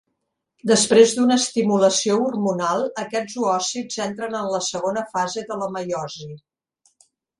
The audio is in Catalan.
Després d'una estimulació hormonal, aquests oòcits entren en la segona fase de la meiosi.